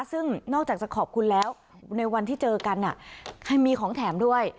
ซึ่งนอกจากจะขอบคุณแล้วในวันที่เจอกันให้มีของแถมด้วย